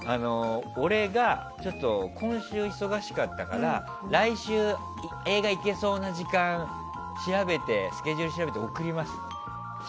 俺が、今週忙しかったから来週、来週映画行けそうな時間スケジュールを調べて送りますって。